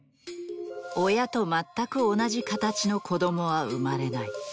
親と全く同じ形の子供は生まれない。